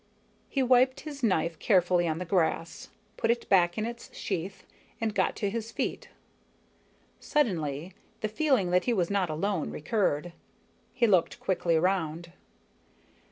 He wiped his knife carefully on the grass, put it back in its sheath, and got to his feet. Suddenly, the feeling that he was not alone recurred. He looked quickly around.